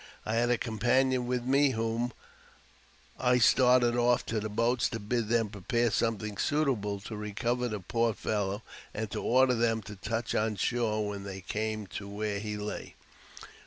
I had a companion with me, whom I started off to the boats to bid them prepare something suitable to recover the poor fellow, and to order them to touch on shore when they came to where he lay.